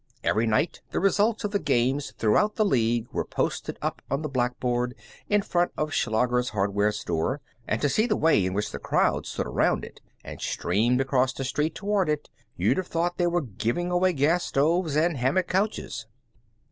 Every night the results of the games throughout the league were posted up on the blackboard in front of Schlager's hardware store, and to see the way in which the crowd stood around it, and streamed across the street toward it, you'd have thought they were giving away gas stoves and hammock couches.